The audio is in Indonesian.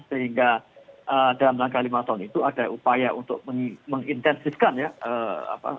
sehingga dalam langkah lima tahun itu ada upaya untuk mengintensifkan ya